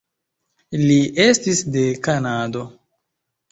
Li estis de Kanado.